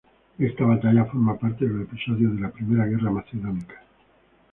Esta batalla forma parte de los episodios de la primera guerra macedónica.